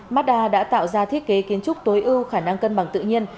mazda đã tạo ra thiết kế kiến trúc tối ưu khả năng cân bằng tự nhiên